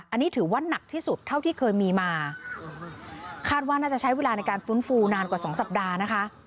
อันนี้ถือว่าหนักที่สุดเท่าที่เคยมีมาคาดว่าน่าจะใช้เวลาในการฟื้นฟูนานกว่าสองสัปดาห์นะคะ